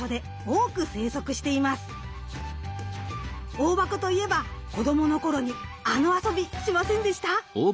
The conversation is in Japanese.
オオバコといえば子どもの頃にあの遊びしませんでした？